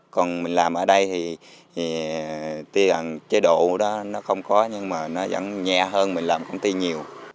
còn mình làm ở đây thì chế độ đó nó không có nhưng mà nó vẫn nhẹ hơn mình làm công ty nhiều